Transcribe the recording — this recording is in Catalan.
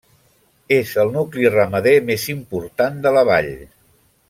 És el nucli ramader més important de la vall.